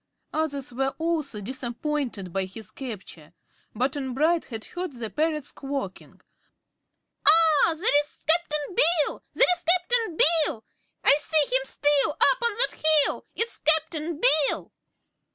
Others were also disappointed by his capture. Button Bright had heard the parrot squawking: "Oh, there's Cap'n Bill! There's =Cap'n Bill=! I see him still up on that hill! It's Cap'n Bill!"